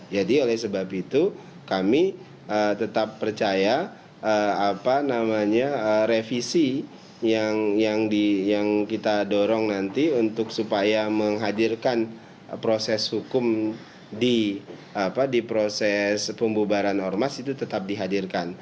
jadi oleh sebab itu kami tetap percaya revisi yang kita dorong nanti supaya menghadirkan proses hukum di proses pembubaran ormas itu tetap dihadirkan